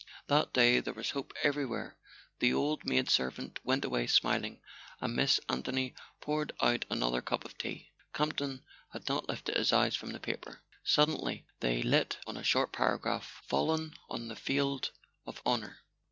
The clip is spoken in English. That day there was hope everywhere: the old maid servant went away smiling, and Miss Anthony poured out another cup of tea. Campton had not lifted his eyes from the paper. [ 118 ] A SON AT THE FRONT Suddenly they lit on a short paragraph: "Fallen on the Field of Honour."